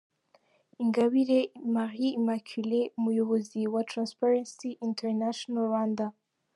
Ingabire Marie Immaculé, umuyobozi wa ‘Transparency International Rwanda.